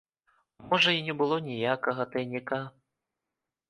Можа, і не было ніякага тайніка?